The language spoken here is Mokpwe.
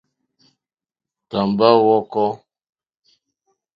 Tàmbá hwɔ̄kɔ̄.